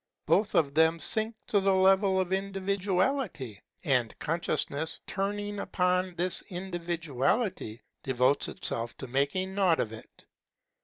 Both of them sink to the level of individuality; and conscious ness, turning upon this individuality, devotes itself to making naught of it.